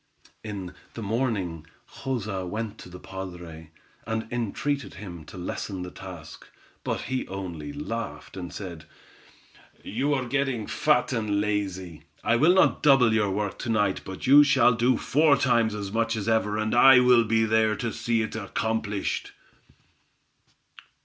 In the morning Joza went to the padre, and entreated him to lessen the task, but he only laughed, and said: "You are getting fat and lazy. I will not double your work to night, but you shall do four times as much as ever, and I will be there to see it accomplished."